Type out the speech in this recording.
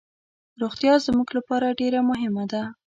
روغتیا زموږ لپاره ډیر مهمه ده.